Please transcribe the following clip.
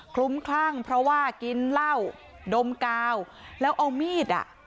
ลุ้มคลั่งเพราะว่ากินเหล้าดมกาวแล้วเอามีดอ่ะ